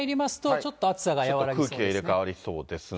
ちょっと空気が入れ代わりそうですね。